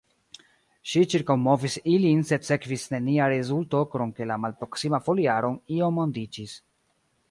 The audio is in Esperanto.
Ŝi ĉirkaŭmovis ilin sed sekvis nenia rezulto krom ke la malproksima foliaro iom ondiĝis.